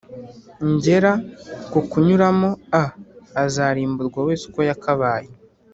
ngera kukunyuramo a Azarimburwa wese uko yakabaye